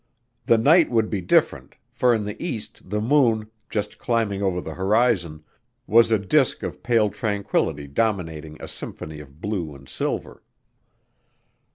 The night would be different, for in the east the moon, just climbing over the horizon, was a disc of pale tranquillity dominating a symphony of blue and silver.